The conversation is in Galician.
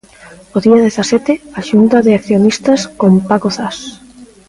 O día dezasete, a xunta de accionistas con Paco Zas.